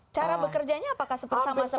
cara bekerjanya apakah sepersama seperti